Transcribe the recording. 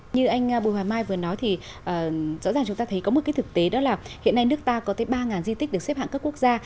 như anh bùi hoài mai vừa nói thì rõ ràng chúng ta thấy có một cái thực tế đó là hiện nay nước ta có tới ba di tích được xếp hạng cấp quốc gia